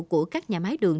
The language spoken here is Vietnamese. của các nhà máy đường